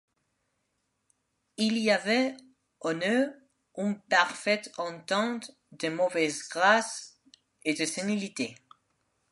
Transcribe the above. Il y avait en eux une parfaite entente de mauvaise grâce et de sénilité.